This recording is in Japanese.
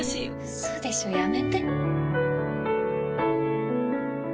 ウソでしょ？やめて。